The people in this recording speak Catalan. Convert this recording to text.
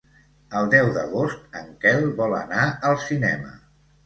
El deu d'agost en Quel vol anar al cinema.